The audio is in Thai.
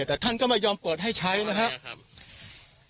แต่ท่านก็ไม่ยอมเปิดให้ใช้นะครับ